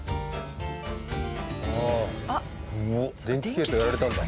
電気系統やられたんだ。